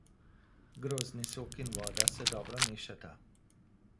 Grozdni sok in voda se dobro mešata.